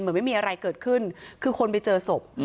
เหมือนไม่มีอะไรเกิดขึ้นคือคนไปเจอศพอืม